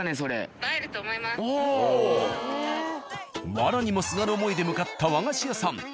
藁にもすがる思いで向かった和菓子屋さん。